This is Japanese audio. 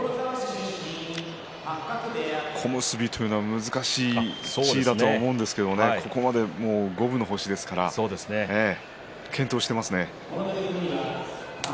小結というのは難しい地位だと思うんですがここまで五分の星ですから健闘していますね。